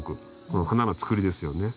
この花のつくりですよね。